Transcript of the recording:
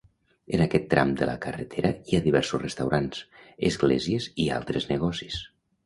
En aquest tram de la carretera hi ha diversos restaurants, esglésies i altres negocis.